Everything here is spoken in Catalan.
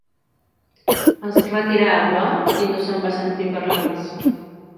Es retirà a Blois i no se'n va sentir parlar més.